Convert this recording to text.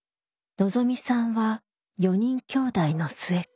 のぞみさんは４人きょうだいの末っ子。